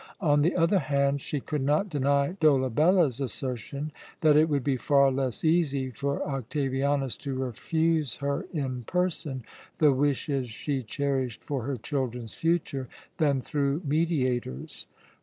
On the other hand, she could not deny Dolabella's assertion that it would be far less easy for Octavianus to refuse her in person the wishes she cherished for her children's future than through mediators.